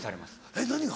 えっ何が？